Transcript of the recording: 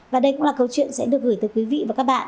và đây cũng là câu chuyện sẽ được gửi tới quý vị và các bạn